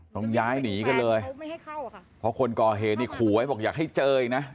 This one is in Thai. ต้องย้ายหนีกันเลยเพราะคนก่อเหนี่ยขู่ไว้บอกอยากให้เจออีกนะ